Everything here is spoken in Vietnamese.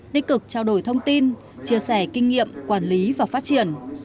tích cực trao đổi thông tin chia sẻ kinh nghiệm quản lý và phát triển